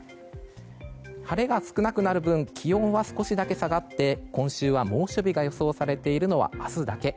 晴れが少なくなる分気温は少しだけ下がって今週は猛暑日が予想されているのは明日だけ。